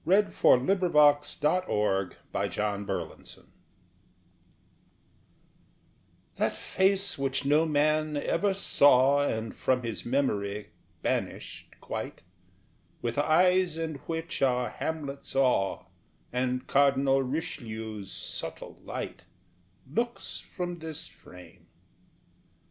SARGENT'S PORTRAIT OF EDWIN BOOTH AT "THE PLAYERS" That face which no man ever saw And from his memory banished quite, With eyes in which are Hamlet's awe And Cardinal Richelieu's subtle light, Looks from this frame.